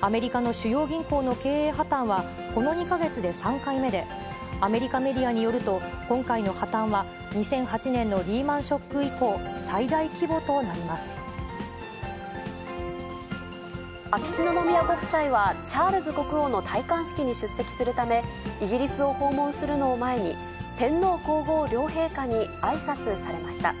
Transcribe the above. アメリカの主要銀行の経営破綻はこの２か月で３回目で、アメリカメディアによると今回の破綻は、２００８年のリーマンショック以降、秋篠宮ご夫妻は、チャールズ国王の戴冠式に出席するため、イギリスを訪問するのを前に、天皇皇后両陛下にあいさつされました。